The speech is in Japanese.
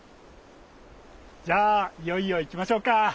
じゃあいよいよ行きましょうか。